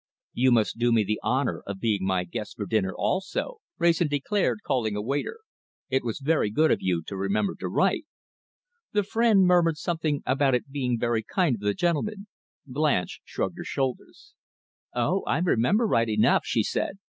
"You must do me the honour of being my guests for dinner also," Wrayson declared, calling a waiter. "It was very good of you to remember to write." The friend murmured something about it being very kind of the gentleman. Blanche shrugged her shoulders. "Oh! I remember right enough," she said.